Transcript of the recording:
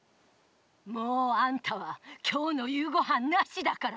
もうあんたは今日の夕ごはんなしだから！